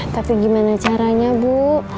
tapi gimana caranya bu